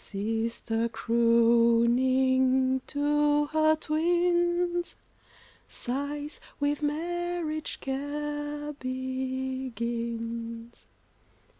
Sister crooning to her twins, Sighs, "With marriage care begins."